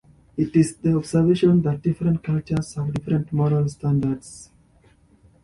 It is the observation that different cultures have different moral standards.